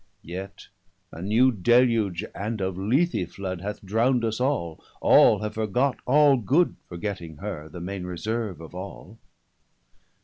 Yet a new Deluge, and of Lethe flood, Hath drown'd us all, All have forgot all good, Forgetting her, the maine reserve of all.